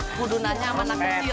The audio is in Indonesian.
kudu nanya sama nakut yuk